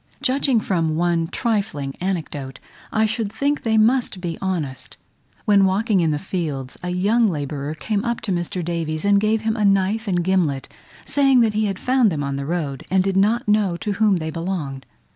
Judging from one trifling anecdote, I should think they must be honest. When walking in the fields, a young labourer came up to Mr. Davies, and gave him a knife and gimlet, saying that he had found them on the road, and did not know to whom they belonged!